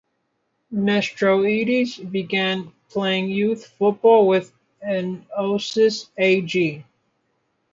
Nestoridis began playing youth football with Enosis Ag.